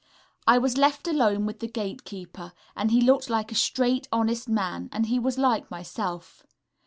I was left alone with the gate keeper, and he looked like a straight, honest man, and he was like myself.